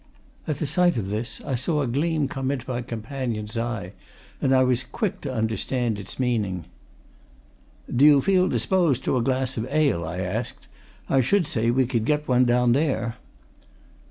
At the sight of this I saw a gleam come into my companion's eye, and I was quick to understand it's meaning. "Do you feel disposed to a glass of ale?" I asked. "I should say we could get one down there."